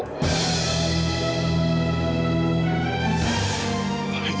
karena ternyata dia itu seorang penipu